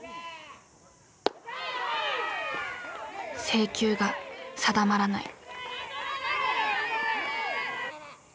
制球が定まらない。